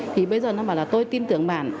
thì bây giờ nó bảo là tôi tin tưởng bản